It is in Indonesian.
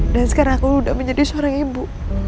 dan sekarang aku udah menjadi seorang ibu